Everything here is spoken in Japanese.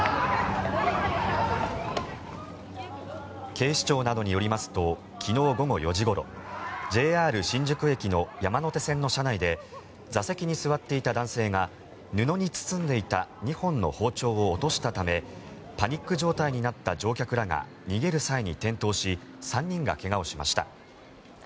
警視庁などによりますと昨日午後４時ごろＪＲ新宿駅の山手線の車内で座席に座っていた男性が布に包んでいた２本の包丁を落としたためパニック状態になった乗客らが逃げる際に転倒し３人が怪我をしました。